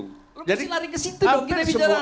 lu mesti lari ke situ dong